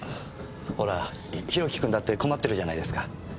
ほら博貴君だって困ってるじゃないですか。